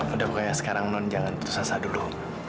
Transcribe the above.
udah pokoknya sekarang non jangan tersasar dulu